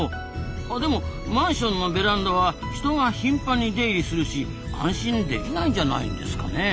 でもマンションのベランダは人が頻繁に出入りするし安心できないんじゃないんですかね？